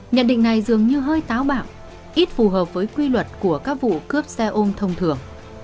nhận định này dường như hơi táo bạo ít phù hợp với quy luật của các vụ cướp xe ôm thông thường